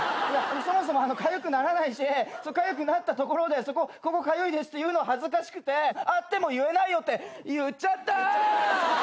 そもそもかゆくならないしかゆくなったところでここかゆいですって言うの恥ずかしくてあっても言えないよって言っちゃったぁ！